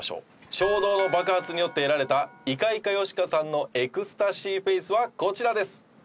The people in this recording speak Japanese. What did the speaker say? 衝動の爆発によって得られたいかいかよしかさんのエクスタシーフェイスはこちらです。